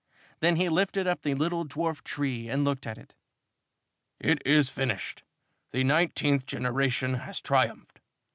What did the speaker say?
Then he lifted up the little dwarf tree and looked at it. "It is finished. The nineteenth generation has triumphed.